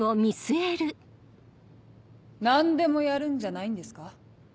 何でもやるんじゃないんですか？